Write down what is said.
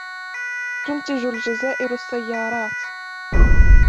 تنتج الجزائر السيارات.